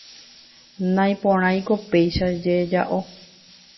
naiporãiko péicha cheja'o